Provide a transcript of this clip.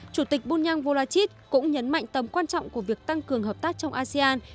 chủ tịch bunyang vorachit cũng nhấn mạnh tầm quan trọng của việc tăng cường hợp tác trong asean